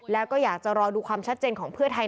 แล้วก็อยากจะรอดูความชัดเจนของเพื่อไทย